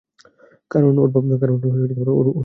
কারণ ওর থাবা নেই বলে?